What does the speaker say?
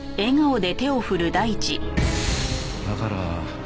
だから。